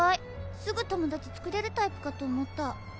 すぐ友達つくれるタイプかと思った。